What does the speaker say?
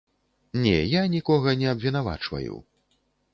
Не, я нікога не абвінавачваю.